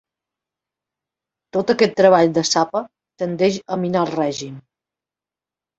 Tot aquest treball de sapa tendeix a minar el règim.